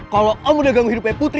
kalau kamu udah ganggu hidupnya putri